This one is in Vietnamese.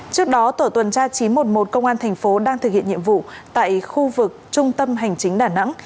trước đó tổ tuần tra chín trăm một mươi một công an thành phố đang thực hiện nhiệm vụ tại khu vực trung tâm hành chính đà nẵng